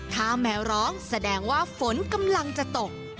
ถ้าแมวร้องแสดงว่าฝนกำลังจะตก